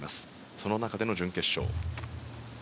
その中での準決勝。